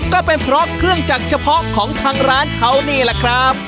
ก็เป็นเพราะเครื่องจักรเฉพาะของทางร้านเขานี่แหละครับ